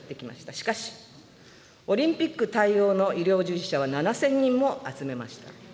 しかし、オリンピック対応の医療従事者は７０００人も集めました。